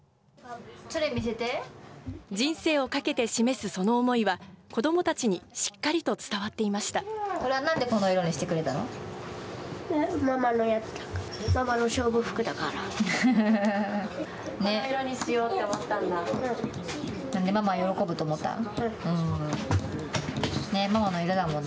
人生をかけて示すその思いは、子どもたちにしっかりと伝わっていなんでこの色にしてくれたのママのやつだから。